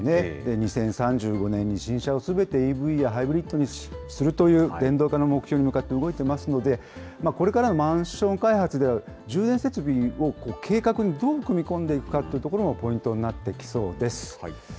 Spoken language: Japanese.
２０３５年に新車をすべてＥＶやハイブリッドにするという電動化の目標に向けて動いてますので、これからのマンション開発では、充電設備を計画にどう組み込んでいくかというところもポイントになってきそうです。